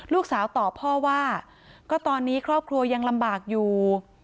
ลูกสาวตอบพ่อว่าก็ตอนนี้ครอบครัวยังลำบากอยู่